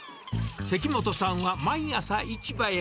関本さんは毎朝、市場へ。